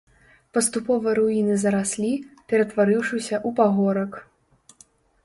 Паступова руіны зараслі, ператварыўшыся ў пагорак.